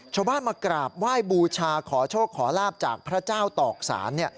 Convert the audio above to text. ชาวบ้านมากราบไหว้บูชาขอโชคขอลาบจากพระเจ้าตอกสาร